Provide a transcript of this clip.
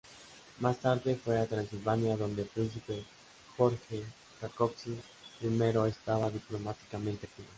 Más tarde fue a Transilvania donde el príncipe Jorge Rákóczi I estaba diplomáticamente activo.